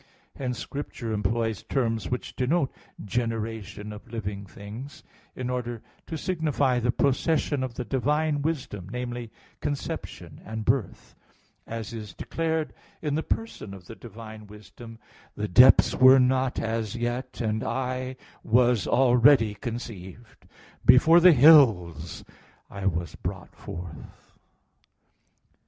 Hence Scripture employs terms which denote generation of living things in order to signify the procession of the divine Wisdom, namely, conception and birth; as is declared in the person of the divine Wisdom, "The depths were not as yet, and I was already conceived; before the hills, I was brought forth."